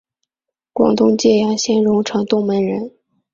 广东揭阳县榕城东门人。